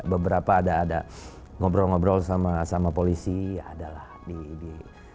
beberapa ada ngobrol ngobrol sama polisi ya adalah di